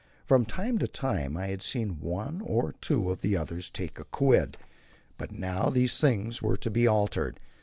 From time to time I had seen one or two of the others take a quid, but now these things were to be altered.